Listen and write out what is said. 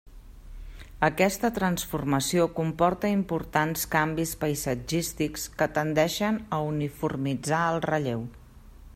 Aquesta transformació comporta importants canvis paisatgístics que tendeixen a uniformitzar el relleu.